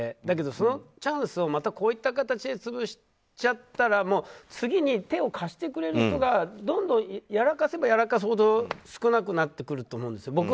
だけどそのチャンスをまたこういった形で潰しちゃったら次に手を貸してくれる人がどんどんやらかせばやらかすほど少なくなってくると思うんですよ。